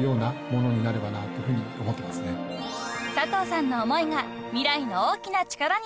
［佐藤さんの思いが未来の大きな力に］